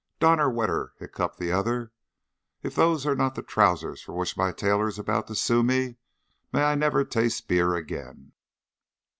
"Donnerwetter!" hiccoughed the other. "If those are not the trousers for which my tailor is about to sue me, may I never taste beer again."